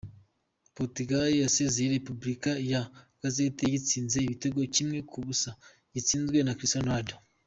Portugal yasezereye Repubulika ya Czech iyitsinze igitego kimwe ku busa gitsinzwe na Cristiano Ronaldo.